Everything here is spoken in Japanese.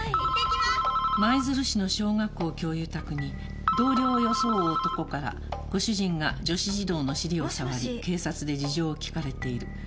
「舞鶴市の小学校教諭宅に同僚を装う男からご主人が女子児童の尻を触り警察で事情を聴かれている」